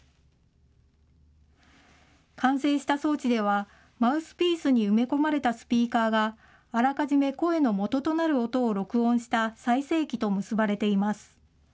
完成した装置では、マウスピースに埋め込まれたスピーカーが、あらかじめ声のもととなる音を録音した再生機と結ばれています。